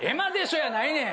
やないねん。